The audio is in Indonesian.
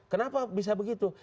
kenapa bisa begitu